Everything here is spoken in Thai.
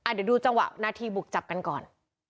เดี๋ยวดูจังหวะนาทีบุกจับกันก่อน